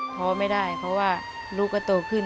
ท้อไม่ได้เพราะว่าลูกก็โตขึ้น